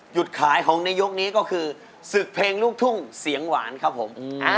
จุดขายของในยกนี้ก็คือศึกเพลงลูกทุ่งเสียงหวานครับผม